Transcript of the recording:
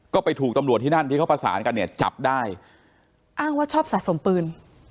ก็ไปถูกตำรวจที่นั่นที่เขาประสานกันเนี่ยจับได้อ้างว่าชอบสะสมปืน